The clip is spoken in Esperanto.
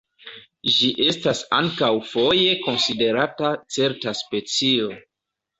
Ĝi estas ankaŭ foje konsiderata certa specio.